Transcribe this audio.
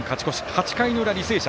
８回の裏、履正社。